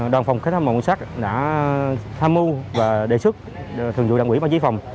đoàn phòng khách hàng màu nguyên sắc đã tham mưu và đề xuất thường dụ đoàn quỹ báo chí phòng